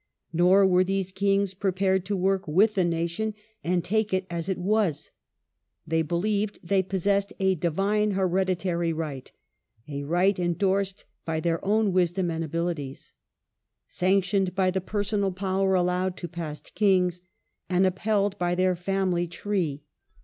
Nor were these kings prepared to work with the nation and take it as it was. They believed they possessed a " divine hereditary right", a right endorsed by their own wisdom and abilities, sanctioned by the personal power allowed to past kings, and upheld by their family tree.